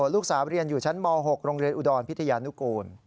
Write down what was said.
ลูกสาวเรียนอยู่ชั้นม๖โรงเรียนอุดรพิทยานุกูล